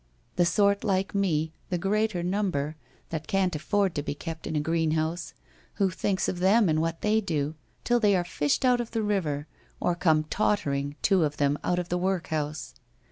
The sort like me, the greater number, that can't afford to be kept in a greenhouse, who thinks of them and what they do, till they are fished out of the river or come tottering, two of them, out of the workhouse